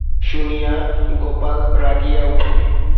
শুনিয়া গোপাল রাগিয়া ওঠে।